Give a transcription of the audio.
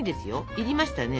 いりましたね